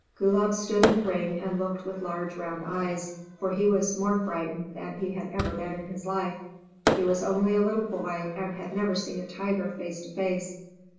Gulab stood in the ring and looked with large round eyes, for he was more frightened than he had ever been in his life. He was only a little boy, and had never seen a tiger face to face.